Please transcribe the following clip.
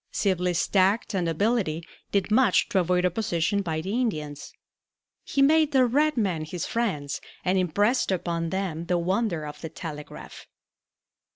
Sibley's tact and ability did much to avoid opposition by the Indians. He made the red men his friends and impressed upon them the wonder of the telegraph.